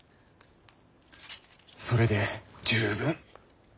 それで十分。